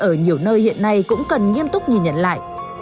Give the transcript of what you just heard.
ở nhiều nơi hiện nay cũng cần nghiêm túc nhìn nhận lại